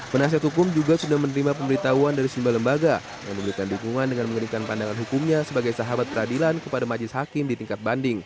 penasihat hukum juga sudah menerima pemberitahuan dari sejumlah lembaga yang memberikan dukungan dengan memberikan pandangan hukumnya sebagai sahabat peradilan kepada majelis hakim di tingkat banding